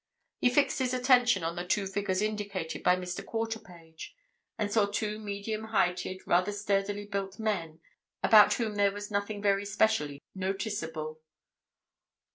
He fixed his attention on the two figures indicated by Mr. Quarterpage, and saw two medium heighted, rather sturdily built men about whom there was nothing very specially noticeable.